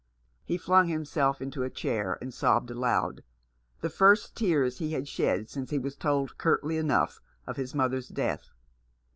He flung himself into a chair and sobbed aloud — the first tears he had shed since he was told, curtly enough, of his mother's death.